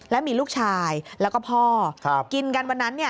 แล้วมีลูกชายแล้วก็พ่อกินกันวันนั้น